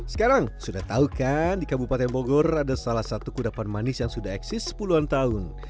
sekarang sudah tahu kan di kabupaten bogor ada salah satu kudapan manis yang sudah eksis puluhan tahun